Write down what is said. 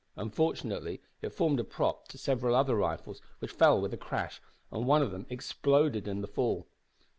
Unfortunately it formed a prop to several other rifles, which fell with a crash, and one of them exploded in the fall.